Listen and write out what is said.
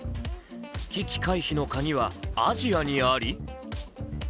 危機回避のカギはアジアにあり？